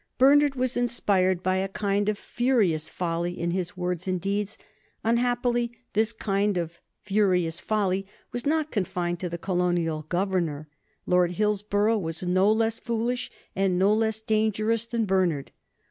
Bernard was inspired by a kind of furious folly in his words and deeds. Unhappily, this kind of furious folly was not confined to the colonial governor. Lord Hillsborough was no less foolish and no less dangerous than Bernard.